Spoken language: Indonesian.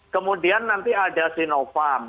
kemudian nanti ada sinovac